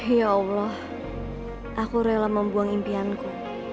ya allah aku rela membuang impianku